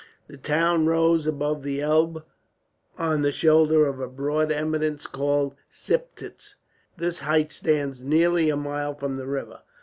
The town rose above the Elbe, on the shoulder of a broad eminence called the Siptitz. This height stands nearly a mile from the river.